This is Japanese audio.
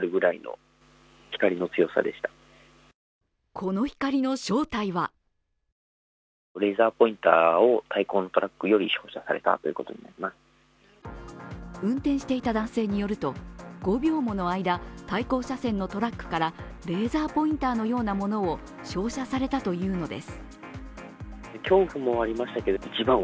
この光の正体は運転していた男性によると、５秒もの間対向車線のトラックからレーザーポインターのようなものを照射されたというのです。